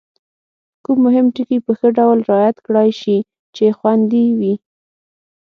کوم مهم ټکي په ښه ډول رعایت کړای شي چې خوندي وي؟